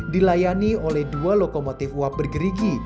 dilayani oleh dua lokomotif uap bergerigi